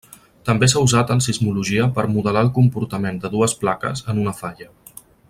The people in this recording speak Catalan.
També s'ha usat en sismologia per modelar el comportament de dues plaques en una falla.